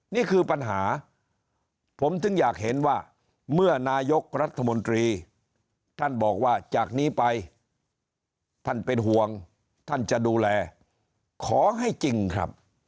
นี่คือปัญหาผมถึงอยากเห็นว่าเมื่อนายกรัฐมนตรีท่านบอกว่าจากนี้ไปท่านเป็นห่วงท่านจะดูแลขอให้จริงครับ